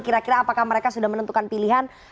kira kira apakah mereka sudah menentukan pilihan